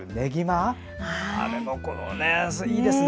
あれもいいですね。